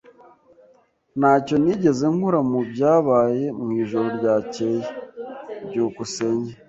Ntacyo nigeze nkora mubyabaye mwijoro ryakeye. byukusenge